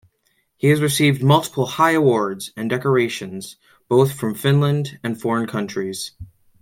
He has received multiple high awards and decorations both from Finland and foreign countries.